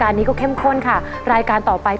เกิดเสียแฟนไปช่วยไม่ได้นะ